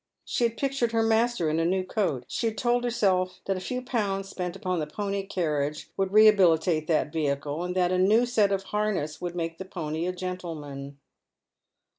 She had pictured her master in a new coat. She had told herself tliat a few pounds spent upon the pony carriage would rehabilitate that vehicle, and that a new set of harness would make the pony a gentleman.